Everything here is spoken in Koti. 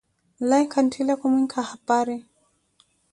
Nlaiku nttile kumwinka hapari